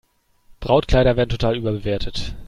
Brautkleider werden total überbewertet.